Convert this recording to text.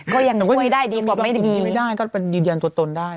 ก็ยังช่วยได้ดีกว่าไม่มีก็ยืนยันตัวตนได้